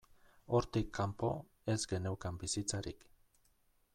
Hortik kanpo, ez geneukan bizitzarik.